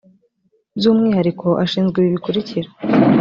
byu umwihariko ashinzwe ibi bikurikira